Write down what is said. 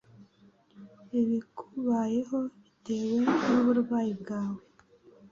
ibikubayeho bitewe n'uburwayi bwawe